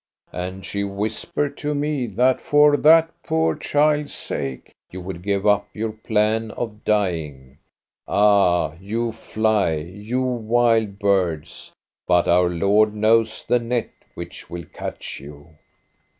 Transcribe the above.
And she whispered to me that for that poor child's sake you would give up your plan of dying. Ah, you fly, you wild birds, but our Lord knows the net which will catch you."